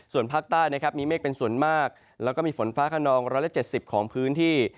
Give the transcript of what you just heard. ส่วนภาคตะวันออกมีเมฆเป็นส่วนมากโอกาสเกิดฝนฟ้าขนอง๑๗๐ของพื้นที่